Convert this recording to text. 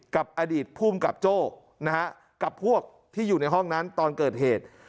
กับอดีตภูมิกับโจ้นะฮะกับพวกที่อยู่ในห้องนั้นตอนเกิดเหตุ